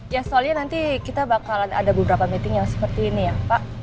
ya soalnya nanti kita bakalan ada beberapa meeting yang seperti ini ya pak